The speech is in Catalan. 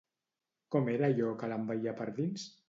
Com era allò que l'envaïa per dins?